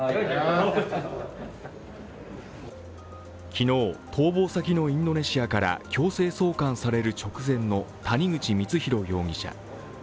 昨日、逃亡先のインドネシアから強制送還される直前の谷口光弘容疑者。